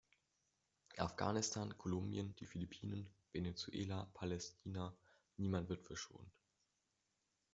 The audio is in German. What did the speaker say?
Afghanistan, Kolumbien, die Philippinen, Venezuela, Palästina, niemand wird verschont.